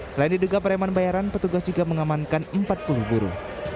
selain diduga pereman bayaran petugas juga mengamankan empat puluh buruh